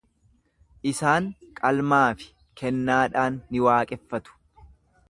Isaan qalmaa fi kennaadhaan ni waaqeffatu.